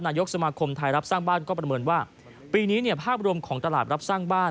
นายกสมาคมไทยรับสร้างบ้านก็ประเมินว่าปีนี้เนี่ยภาพรวมของตลาดรับสร้างบ้าน